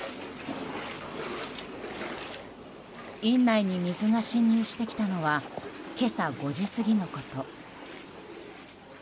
院内に水が浸入してきたのは今朝５時過ぎのこと。